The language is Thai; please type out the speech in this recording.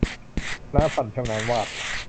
คณภรณ์ ชำนาญวาด